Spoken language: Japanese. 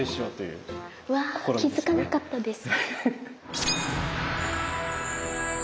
うわ気付かなかったです。